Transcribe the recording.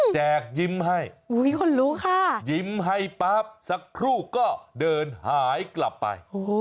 แจกยิ้มให้คนรู้ค่ะยิ้มให้ปั๊บสักครู่ก็เดินหายกลับไป